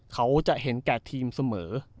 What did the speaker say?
เขาจะเห็นแก่ทีมเสมอ